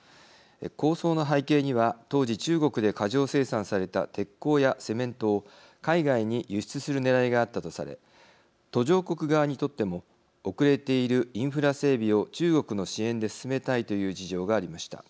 構想の背景には当時中国で過剰生産された鉄鋼やセメントを海外に輸出するねらいがあったとされ途上国側にとっても遅れているインフラ整備を中国の支援で進めたいという事情がありました。